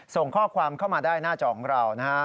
ส่งข้อความเข้ามาได้หน้าจอของเรานะฮะ